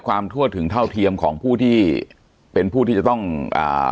ทั่วถึงเท่าเทียมของผู้ที่เป็นผู้ที่จะต้องอ่า